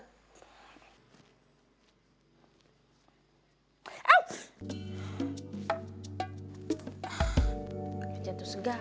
maksudnya bikin kegaduhan seperti apa